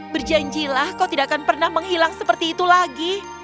berjanjilah kau tidak akan pernah menghilang seperti itu lagi